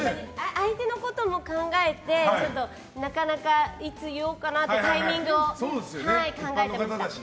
相手のことも考えてちょっと、なかなかいつ言おうかなってタイミングを考えてました。